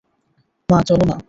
মা, চলো না।